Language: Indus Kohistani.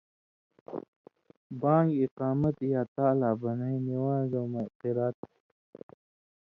بان٘گ، اِقامت یا تالا بنَیں نِوان٘زؤں مہ قِرات،